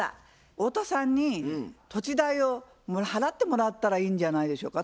太田さんに土地代を払ってもらったらいいんじゃないでしょうか。